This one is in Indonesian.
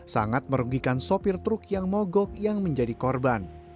sangat merugikan sopir truk yang mogok yang menjadi korban